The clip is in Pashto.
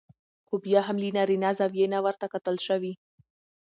خو بيا هم له نارينه زاويې نه ورته کتل شوي